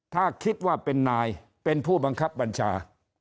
ถ้าคิดว่าเป็นนายเป็นผู้บังคับบัญชา